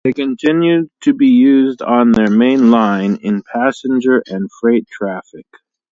They continued to be used on their main line in passenger and freight traffic.